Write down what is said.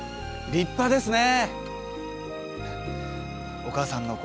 立派ですね。